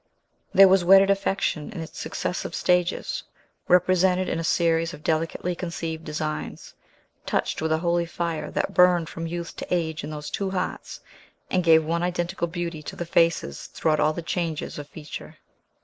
There was wedded affection in its successive stages, represented in a series of delicately conceived designs, touched with a holy fire, that burned from youth to age in those two hearts, and gave one identical beauty to the faces throughout all the changes of feature.